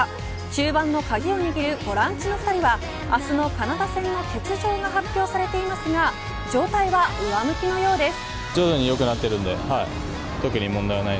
中盤の鍵を握るボランチの２人は明日のカナダ戦の欠場が発表されていますが状態は上向きのようです。